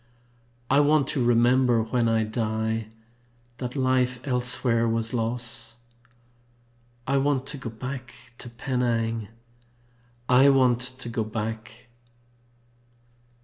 I want to remember when I die That life elsewhere was loss. I want to go back to Penang! I want to go back!